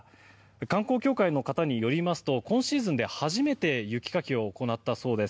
観光協会の方によりますと今シーズン初めて雪かきを行ったそうです。